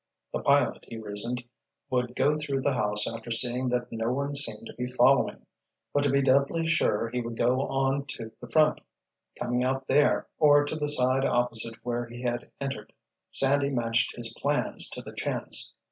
The pilot, he reasoned, would go through the house after seeing that no one seemed to be following; but to be doubly sure he would go on to the front, coming out there, or to the side opposite where he had entered. Sandy matched his plans to the chance.